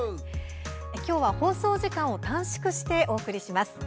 今日は放送時間を短縮してお送りします。